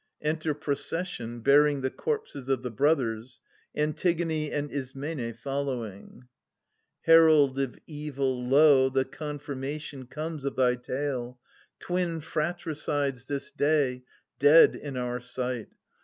[Enter procession bearing the corpses of the brothers^ Antigoni and I smine following], (Str. 2.) Herald of evil, lo, the confirmation Comes of thy tale ! Twin fratricides this day Dead in our sight